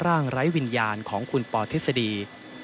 ร่างไร้วิญญาณของคุณปอทิศดี